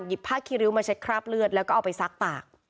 ผ้าคีริ้วมาเช็ดคราบเลือดแล้วก็เอาไปซักปาก